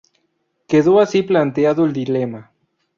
Quedó así planteado el dilema.